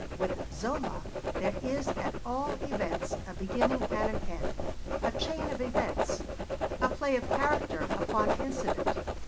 With Zola, there is at all events a beginning and an end, a chain of events, a play of character upon incident.